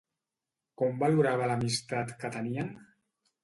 Com valorava l'amistat que tenien?